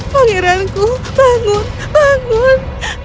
pangeranku bangun bangun